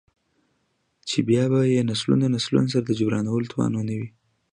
،چـې بـيا بـه يې نسلونه نسلونه سـره د جـبران ولـو تـوان نـه وي.